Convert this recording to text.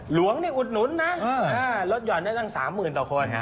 หลวงอุดหนุนนะรถยอดได้ตั้ง๓๐๐๐๐บาทต่อคน